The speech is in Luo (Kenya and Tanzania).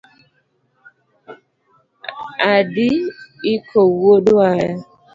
Adi iko wuod waya